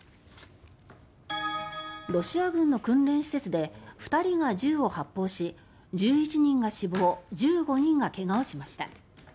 ロシア軍の訓練施設で２人が銃を発砲し１１人が死亡１５人がけがをしました。